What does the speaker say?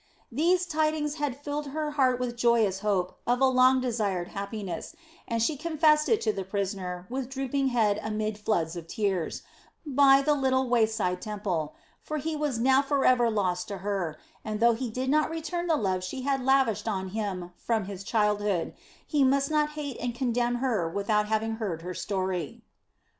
These tidings had filled her heart with joyous hope of a long desired happiness, and she confessed it to the prisoner with drooping head amid floods of tears, by the little wayside temple; for he was now forever lost to her, and though he did not return the love she had lavished on him from his childhood, he must not hate and condemn her without having heard her story.